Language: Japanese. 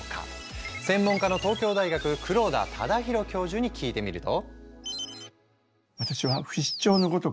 専門家の東京大学黒田忠広教授に聞いてみると。